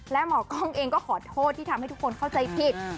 และหมอกล้องเองก็ขอโทษที่ทำให้ทุกคนเข้าใจผิด